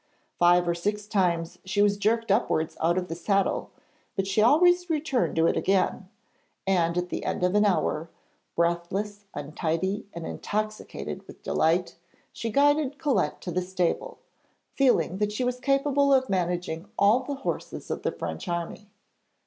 Five or six times she was jerked upwards out of the saddle, but she always returned to it again, and at the end of an hour breathless, untidy, and intoxicated with delight she guided Colette to the stable, feeling that she was capable of managing all the horses of the French Army.